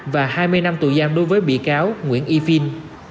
và hai mươi năm tù giam đối với bị cáo nguyễn y phin